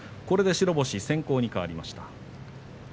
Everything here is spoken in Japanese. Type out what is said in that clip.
これで白星先行に変わりました。